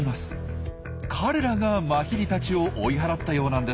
彼らがマヒリたちを追い払ったようなんです。